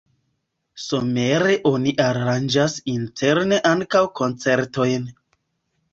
Somere oni aranĝas interne ankaŭ koncertojn.